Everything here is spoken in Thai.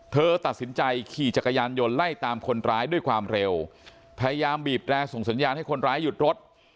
เธอตัดสินใจขี่จักรยานยนต์ไล่ตามคนร้ายด้วยความเร็วพยายามบีบแร่ส่งสัญญาณให้คนร้ายหยุดรถ